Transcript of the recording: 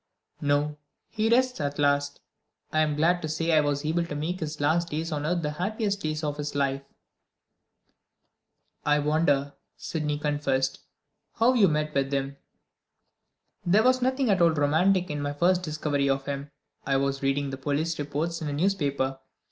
"No; he rests at last. I am glad to say I was able to make his last days on earth the happiest days of his life." "I wonder," Sydney confessed, "how you met with him." "There was nothing at all romantic in my first discovery of him. I was reading the police reports in a newspaper.